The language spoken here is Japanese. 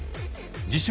自称